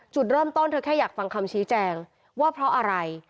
จุดเริ่มต้นเธอแค่อยากฟังคำชี้แจงว่าเพราะอะไร